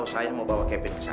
princes johnny akan pergi ke china